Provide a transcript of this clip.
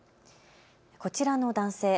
こちらの男性。